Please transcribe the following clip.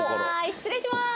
失礼します。